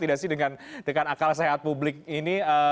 dengan akal sehat publik ini